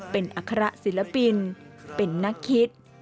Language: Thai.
เป็นอัคระศิลปินเป็นนักคิด